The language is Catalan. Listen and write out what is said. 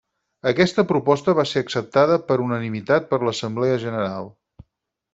Aquesta proposta va ser acceptada per unanimitat per l'Assemblea General.